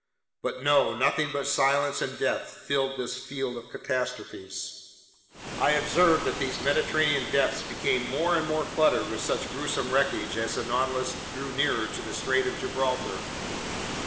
But no, nothing but silence and death filled this field of catastrophes! I observed that these Mediterranean depths became more and more cluttered with such gruesome wreckage as the Nautilus drew nearer to the Strait of Gibraltar.